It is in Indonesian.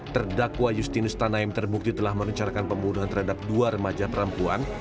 terdakwa justinus tanam terbukti telah merencanakan pembunuhan terhadap dua remaja perempuan